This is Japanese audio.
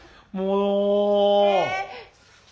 もう。